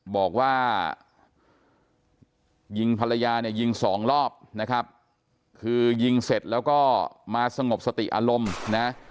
บอกว่ายิงภรรยาเนี่ยยิงสองรอบนะครับคือยิงเสร็จแล้วก็มาสงบสติอารมณ์นะ